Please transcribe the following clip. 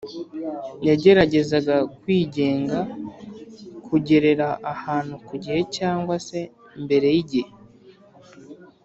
Yageragezaga kwigenga kugerera ahantu ku gihe cyangwa se mbere y igihe